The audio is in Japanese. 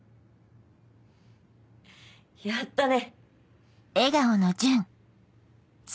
やったね。